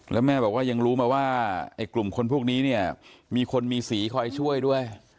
แล้วแม่บอกว่ายังรู้มาว่าไอ้กลุ่มคนพวกนี้เนี่ยมีคนมีสีคอยช่วยด้วย